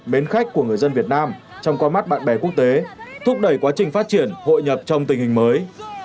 mến khách của người dân việt nam trong qua mắt bạn bè quốc tế thúc đẩy quá trình phát triển hội nhập trong tình hình mới